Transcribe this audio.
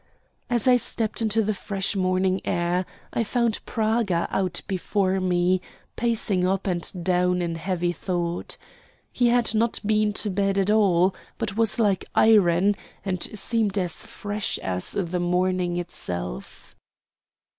As I stepped into the fresh morning air I found Praga out before me, pacing up and down in heavy thought. He had not been to bed at all, but was like iron, and seemed as fresh as the morning itself.